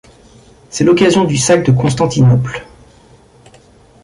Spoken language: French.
C'est l'occasion du sac de Constantinople.